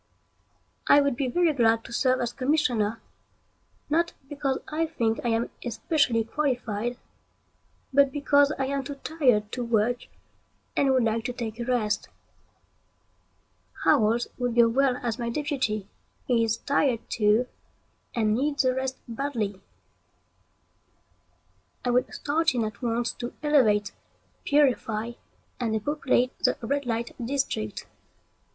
I would be very glad to serve as commissioner, not because I think I am especially qualified, but because I am too tired to work and would like to take a rest. Howells would go well as my deputy. He is tired too, and needs a rest badly. I would start in at once to elevate, purify, and depopulate the red light district.